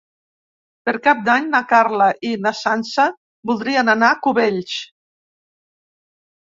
Per Cap d'Any na Carla i na Sança voldrien anar a Cubells.